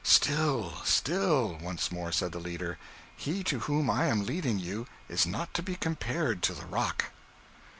'Still, still,' once more said the leader; 'he to whom I am leading you is not to be compared to the rock.'